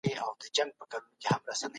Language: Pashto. کله یوه ساده موسکا رواني حالت بدلولای سي؟